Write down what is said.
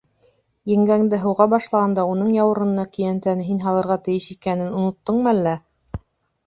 Еңгәңде һыуға башлағанда уның яурынына көйәнтәне һин һалырға тейеш икәнен оноттоңмо әллә?